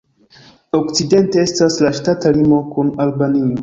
Okcidente estas la ŝtata limo kun Albanio.